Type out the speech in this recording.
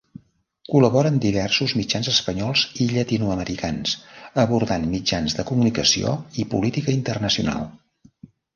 Col·labora amb diversos mitjans espanyols i llatinoamericans abordant mitjans de comunicació i política internacional.